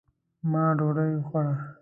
ما ډوډۍ وخوړه